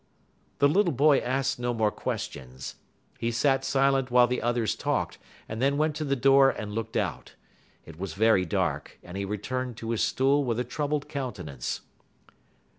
The little boy asked no more questions. He sat silent while the others talked, and then went to the door and looked out. It was very dark, and he returned to his stool with a troubled countenance.